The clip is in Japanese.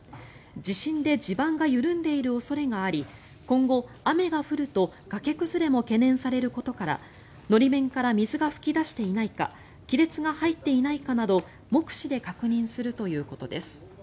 地震で地盤が緩んでいる恐れがあり今後、雨が降ると崖崩れも懸念されることから法面から水が噴き出していないか亀裂が入っていないかなど目視で確認するということです。